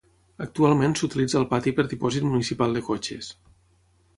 Actualment s'utilitza el pati per dipòsit municipal de cotxes.